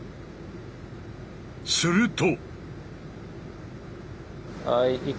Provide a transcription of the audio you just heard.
すると。